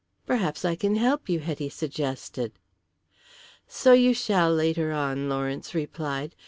"Perhaps I can help you," Hetty suggested. "So you shall later on," Lawrence replied.